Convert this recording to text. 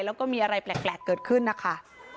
แล้วก็มีอะไรแปลกเกิดขึ้นนะคะ